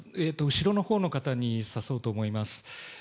後ろのほうの方に指そうと思います。